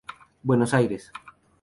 Buenos aires.